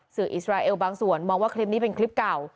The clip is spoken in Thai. อิสราเอลบางส่วนมองว่าคลิปนี้เป็นคลิปเก่า